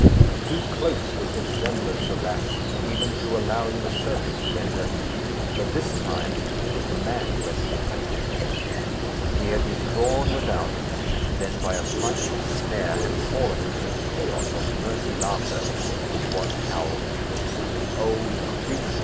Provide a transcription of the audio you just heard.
Too close was the resemblance, alas! even to allowing the serpent to enter; but this time it was the man who had been tempted. He had been drawn without, and then, by a frightful snare, had fallen into a chaos of murky laughter, which was hell. O grief!